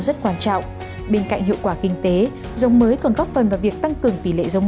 rất quan trọng bên cạnh hiệu quả kinh tế giống mới còn góp phần vào việc tăng cường tỷ lệ giống